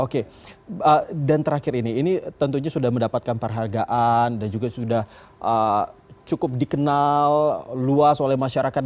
oke dan terakhir ini ini tentunya sudah mendapatkan perhargaan dan juga sudah cukup dikenal luas oleh masyarakat